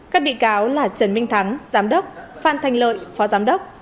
các bị cáo là trần minh thắng giám đốc phan thanh lợi phó giám đốc